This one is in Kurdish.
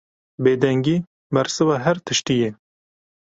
Bêdengî, bersiva her tiştî ye.